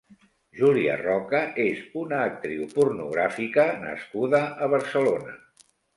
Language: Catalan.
Julia Roca és una actriu pornogràfica nascuda a Barcelona.